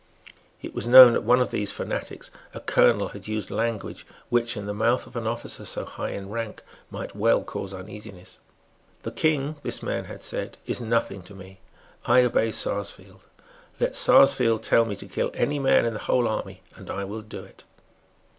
It was known that one of these fanatics, a colonel, had used language which, in the mouth of an officer so high in rank, might well cause uneasiness. "The King," this man had said, "is nothing to me. I obey Sarsfield. Let Sarsfield tell me to kill any man in the whole army; and I will do it."